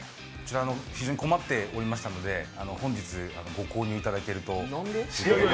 非常に困っておりましたので本日ご購入いただけると。